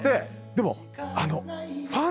でも。